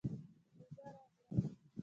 روژه راغله.